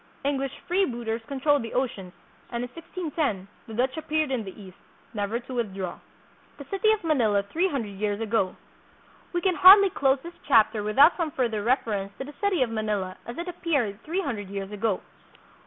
English free booters controlled the oceans, and in 1610 the Dutch appeared in the East, never to withdraw. The City of Manila Three Hundred Years Ago. We can hardly close this chapter without some further ref erence to the city of Manila as it appeared three hundred years ago.